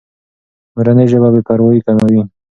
مورنۍ ژبه بې پروایي کموي.